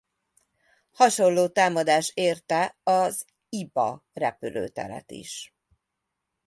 Hasonló támadás érte az Iba repülőteret is.